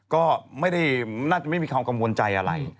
ก็น่าจะไม่มีความกังวลใจอะไร